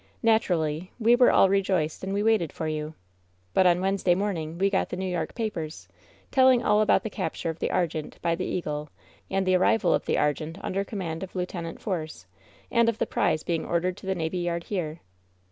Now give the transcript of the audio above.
Naturally we were all rejoiced and we waited for you. But on Wednesday morning we got the New York pa pers, telling all about the capture of the Argente by the Eagle, and the arrival of the Argente under command of Lieut. Force, and of the prize being ordered to the navy yard here